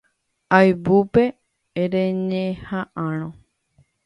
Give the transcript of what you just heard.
Ayvúpe reñeha'ãrõ